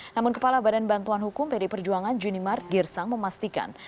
namun kepala badan bantuan hukum pd perjuangan juni mart girsang memastikan